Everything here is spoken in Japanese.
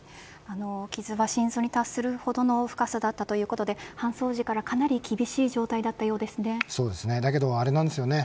傷は心臓に達するほどの深さだったということで搬送時からかなり厳しい状態だったようですね。